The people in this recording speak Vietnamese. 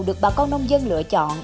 được bà con nông dân lựa chọn